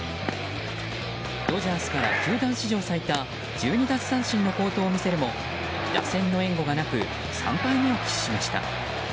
ドジャースから球団史上最多１２奪三振の好投を見せるも打線の援護がなく３敗目を喫しました。